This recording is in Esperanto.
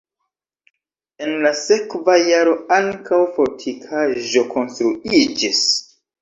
En la sekva jaro ankaŭ fortikaĵo konstruiĝis.